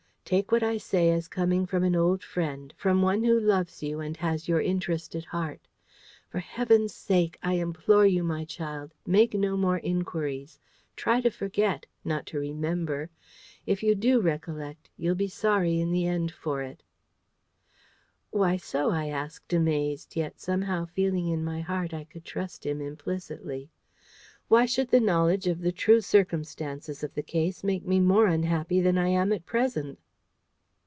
Take what I say as coming from an old friend, from one who loves you and has your interest at heart. For heaven's sake, I implore you, my child, make no more inquiries. Try to forget not to remember. If you do recollect, you'll be sorry in the end for it." "Why so?" I asked, amazed, yet somehow feeling in my heart I could trust him implicitly. "Why should the knowledge of the true circumstances of the case make me more unhappy than I am at present?"